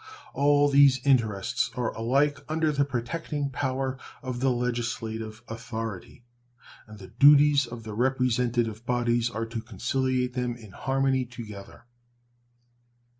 All these interests are alike under the protecting power of the legislative authority, and the duties of the representative bodies are to conciliate them in harmony together.